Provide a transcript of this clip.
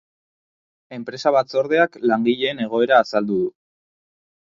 Enpresa-batzordeak langileen egoera azaldu du.